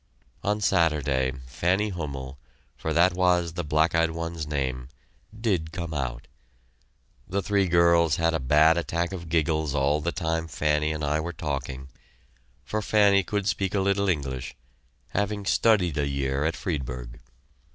On Saturday, Fanny Hummel, for that was the black eyed one's name, did come out. The three girls had a bad attack of giggles all the time Fanny and I were talking, for Fanny could speak a little English, having studied a year at Friedberg.